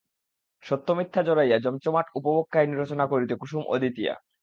সত্যমিথ্যা জড়াইয়া জমজমাট উপভোগ কাহিনী রচনা করিতে কুসুম অদ্বিতীয়া।